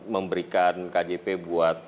memberikan kjp buat